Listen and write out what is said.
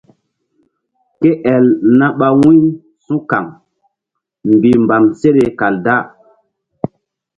Ke el na ɓa wu̧y su̧kaŋ mbihmbam seɗe kal da.